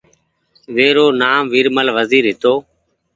وي رو نآم ورمل وزير هيتو